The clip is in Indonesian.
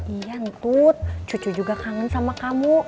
iya ntut cucu juga kangen sama kamu